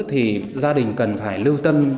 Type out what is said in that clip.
thì gia đình cần phải lưu tâm